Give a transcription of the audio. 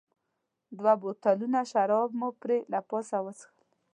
دوه بوتلونه شراب مو پرې له پاسه وڅښل.